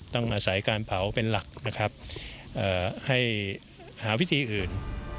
ต้องอาศัยการเผาเป็นหลักนะครับให้หาวิธีอื่น